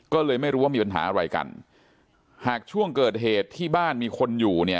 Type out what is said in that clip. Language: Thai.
ก็เลยไม่รู้ว่ามีปัญหาอะไรกันหากช่วงเกิดเหตุที่บ้านมีคนอยู่เนี่ย